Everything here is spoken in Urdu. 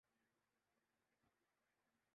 گاڑی کو چلنے کا حکم جاری کر دیا